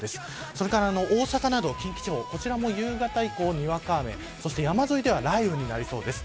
それから大阪など近畿地方こちらも夕方以降、にわか雨そして山沿いでは雷雨になりそうです。